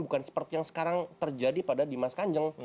bukan seperti yang sekarang terjadi pada dimas kanjeng